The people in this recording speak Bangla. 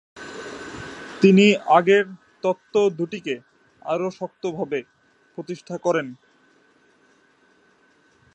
তিনি আগের তত্ত্ব দুটিকে আরো শক্তভাবে প্রতিষ্ঠা করেন।